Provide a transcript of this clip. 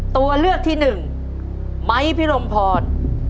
ตัวเลือกที่หนึ่งไม้พิรมพร